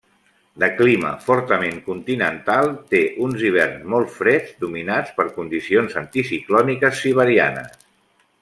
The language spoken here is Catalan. De clima fortament continental, té uns hiverns molt freds dominats per condicions anticiclòniques siberianes.